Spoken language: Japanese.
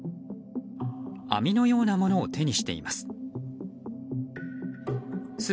網のようなものを手にしています。